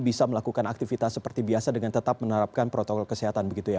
bisa melakukan aktivitas seperti biasa dengan tetap menerapkan protokol kesehatan begitu ya